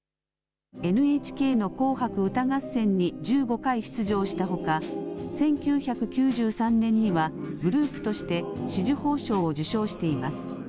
ＮＨＫの紅白歌合戦に１５回出場したほか、１９９３年にはグループとして紫綬褒章を受章しています。